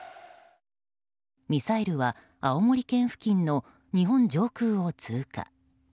ミサイルは青森県付近の日本上空を通過。